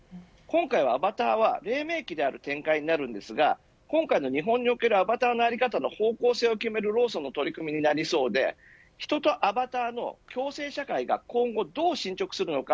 アバターは黎明期である展開になりますが日本におけるアバターの在り方の方向性を決めるローソンの取り組みになりそうで人とアバターの共生社会が今後どう進捗するのか